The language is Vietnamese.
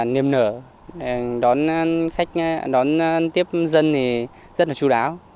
nhiệm nở đón tiếp dân thì rất là chú đáo